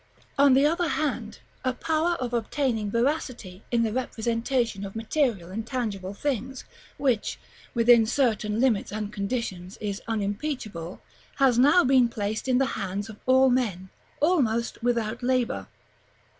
On the other hand, a power of obtaining veracity in the representation of material and tangible things, which, within certain limits and conditions, is unimpeachable, has now been placed in the hands of all men, almost without labor.